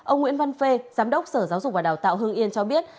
ông nguyễn văn phê giám đốc sở giáo dục và đào tạo hương yên cho biết